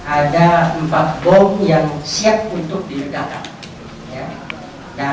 ada empat bom yang siap untuk diledakan